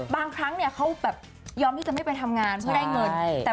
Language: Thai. บางครั้งเนี่ยเขาแบบยอมที่จะไม่ไปทำงานเพื่อได้เงิน